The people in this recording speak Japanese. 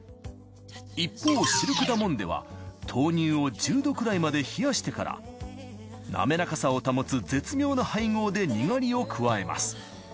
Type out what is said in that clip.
一方ＳｉｌｋＤａＭｏｎｄｅは豆乳を１０℃くらいまで冷やしてからなめらかさを保つ絶妙な配合でにがりを加えます。